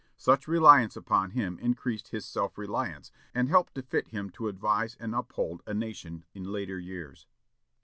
Such reliance upon him increased his self reliance, and helped to fit him to advise and uphold a nation in later years.